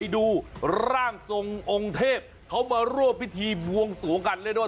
ดูร่างทรงองค์เทพเขามาร่วมพิธีบวงสวงกันเรียกได้ว่า